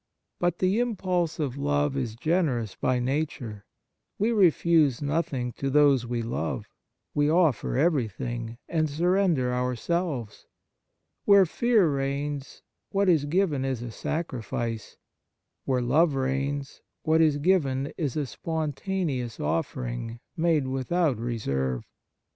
But the impulse of love is generous by nature. We refuse nothing to those we love; we offer everything, and surrender ourselves. Where fear reigns, what is given is a sacrifice; where love reigns, what is given is a spontaneous offering, made without reserve.